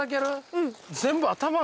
うん。